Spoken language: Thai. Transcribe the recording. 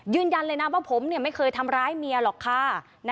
ยืนยันเลยนะว่าผมไม่เคยทำร้ายเมียหรอกค่ะ